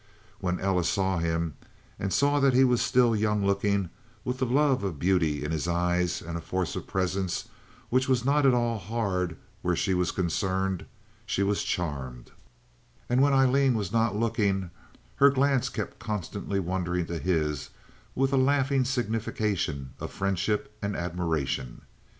When Ella saw him, and saw that he was still young looking, with the love of beauty in his eyes and a force of presence which was not at all hard where she was concerned, she was charmed; and when Aileen was not looking her glance kept constantly wandering to his with a laughing signification of friendship and admiration.